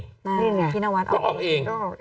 พินวัดออกเอง